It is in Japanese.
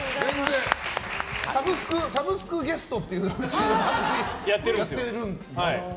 サブスクゲストっていうのをうちの番組やってるんです。